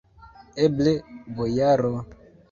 Eble, bojaro!